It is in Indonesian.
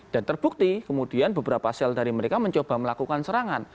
dan terbukti kemudian beberapa sel dari mereka mencoba melakukan serangan